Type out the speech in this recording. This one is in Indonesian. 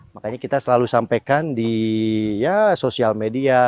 makanya kita selalu sampaikan di sosial media